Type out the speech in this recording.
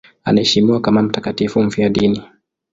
Anaheshimiwa kama mtakatifu mfiadini.